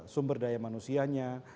sumber daya manusianya